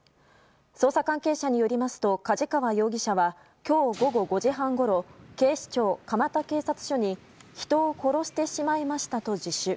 捜査関係者によりますと梶川容疑者は今日午後５時半ごろ警視庁蒲田警察署に人を殺してしまいましたと自首。